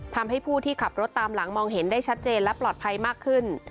ทำให้ผู้ที่ขับรถตามหลังมองเห็นได้ชัดเจนและปลอดภัยมากขึ้น